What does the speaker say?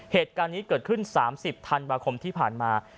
เหตุการณ์นี้เกิดขึ้น๓๐ธันวาคมที่ผ่านมา